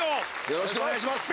よろしくお願いします